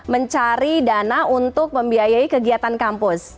mencari dana untuk membiayai kegiatan kampus